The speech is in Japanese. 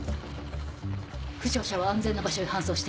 負傷者を安全な場所へ搬送して。